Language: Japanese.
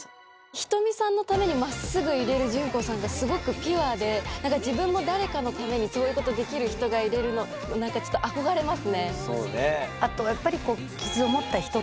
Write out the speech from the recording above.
ひとみさんのためにまっすぐいれる淳子さんがすごくピュアでなんか自分も誰かのためにそういうことできる人がいれるのなんかちょっとそれほんま